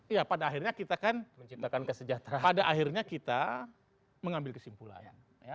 ya pada akhirnya kita kan mengambil kesimpulan